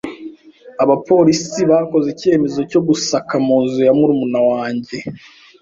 Abapolisi bakoze icyemezo cyo gusaka mu nzu ya murumuna wanjye.